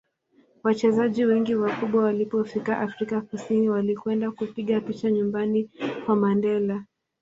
wachezaji wengi wakubwa walipofika afrika kusini walikwenda kupiga picha nyumbani kwa mandela